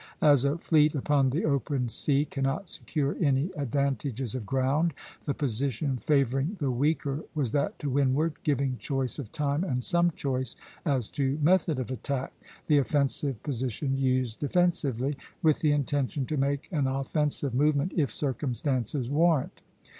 As a fleet upon the open sea cannot secure any advantages of ground, the position favoring the weaker was that to windward, giving choice of time and some choice as to method of attack, the offensive position used defensively, with the intention to make an offensive movement if circumstances warrant.